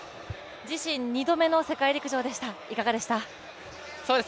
自身２度目の世界陸上でした、いかがでした？